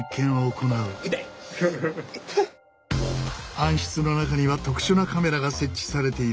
暗室の中には特殊なカメラが設置されている。